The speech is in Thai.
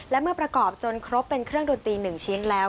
และเมื่อประกอบจนครบเป็นเครื่องดนตรี๑ชิ้นแล้ว